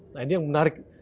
nah ini yang menarik